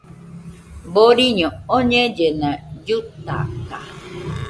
Boriño oñellena, llutaka